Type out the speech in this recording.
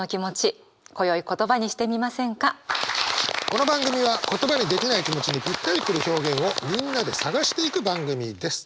この番組は言葉にできない気持ちにぴったりくる表現をみんなで探していく番組です。